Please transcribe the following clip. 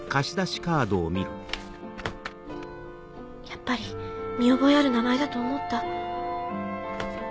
やっぱり見覚えある名前だと思った。